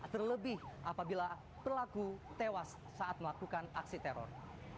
terlebih apabila pelaku tewas saat melakukan aksi teror